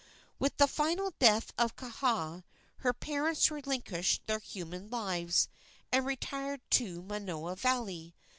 With the final death of Kaha her parents relinquished their human lives and retired to Manoa Valley.